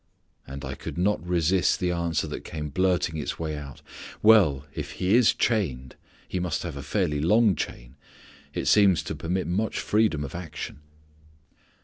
And I could not resist the answer that came blurting its way out, "Well, if he is chained, he must have a fairly long chain: it seems to permit much freedom of action."